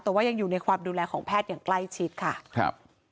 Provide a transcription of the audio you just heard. แต่ว่ายังอยู่ในความดูแลของแพทย์อย่างใกล้ชิดค่ะครับ